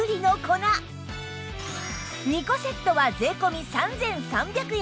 ２個セットは税込３３００円